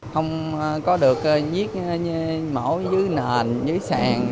không có được giết mổ dưới nền dưới sàn